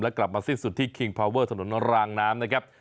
และกลับมาสิ้นสุดที่คิงพาเวอร์ถนนรางน้ำ